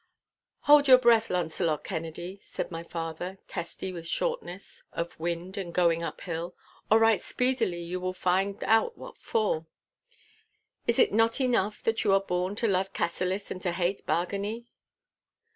'Hold your breath, Launcelot Kennedy!' said my father, testy with shortness of wind and going uphill, 'or right speedily you will find out for what! Is it not enough that you are born to love Cassillis and to hate Bargany?